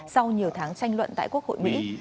sau nhiều tháng tranh luận tại quốc hội mỹ